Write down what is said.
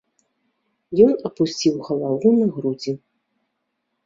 Ён апусціў галаву на грудзі.